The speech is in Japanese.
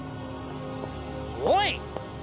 おい！